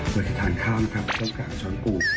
เวิร์ดจะทานข้าวนะครับเพราะว่าต้องการช้อนปู